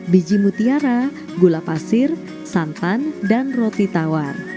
biji mutiara gula pasir santan dan roti tawar